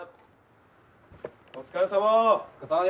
お疲れさま。